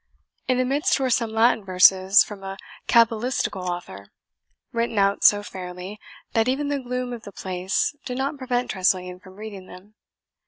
In the midst were some Latin verses from a cabalistical author, written out so fairly, that even the gloom of the place did not prevent Tressilian from reading them.